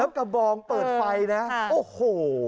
กระบองเปิดไฟนะโอ้โห